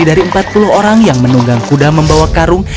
di dalamnya ada empat puluh orang yang menunggang kuda membawa karung